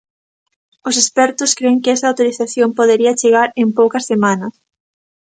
Os expertos cren que esa autorización podería chegar en poucas semanas.